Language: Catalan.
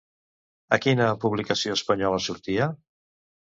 A quina publicació espanyola sortia?